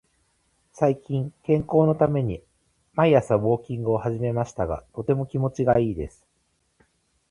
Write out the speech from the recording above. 最近、健康のために毎朝ウォーキングを始めましたが、とても気持ちがいいです。